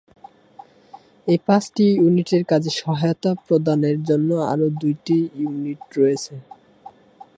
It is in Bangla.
এই পাঁচটি ইউনিটের কাজে সহায়তা প্রদানের জন্য আরো দুটি ইউনিট রয়েছে।